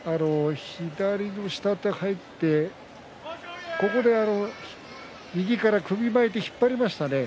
左の下手が入って、そこで右から引っ張りましたよね。